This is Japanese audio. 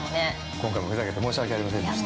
今回もふざけて申し訳ありませんでした。